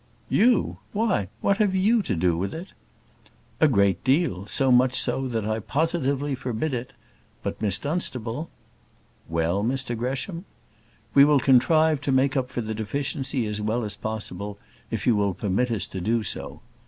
"You why, what have you to do with it?" "A great deal so much so that I positively forbid it; but, Miss Dunstable " "Well, Mr Gresham?" "We will contrive to make up for the deficiency as well as possible, if you will permit us to do so.